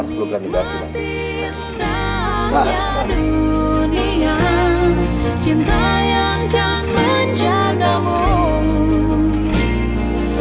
pertama cinta dan ben encley